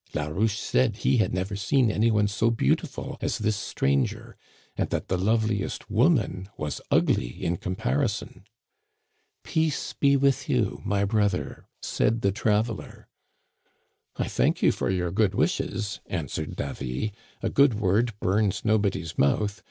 Larouche said he had never seen any one so beautiful as this stranger, and that the loveliest woman was ugly in comparison. "* Peace be with you, my brother,* said the traveler. "'I thank you for your good wishes,* answered Davy ;* a good word bums nobody's mouth.